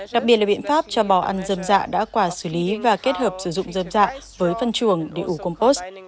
đặc biệt là biện pháp cho bò ăn dâm dạ đã quả xử lý và kết hợp sử dụng dâm dạ với phân chuồng để ủ compost